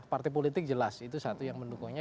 partai politik jelas itu satu yang mendukungnya